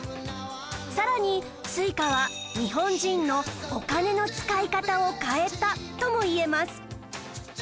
さらに Ｓｕｉｃａ は日本人のお金の使い方を変えたともいえます